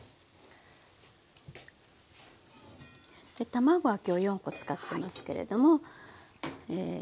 卵は今日４コ使ってますけれども。